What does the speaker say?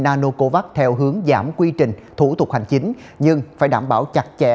nanocovax theo hướng giảm quy trình thủ tục hành chính nhưng phải đảm bảo chặt chẽ